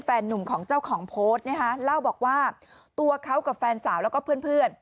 หนุ่มของเจ้าของโพสต์เล่าบอกว่าตัวเขากับแฟนสาวแล้วก็เพื่อน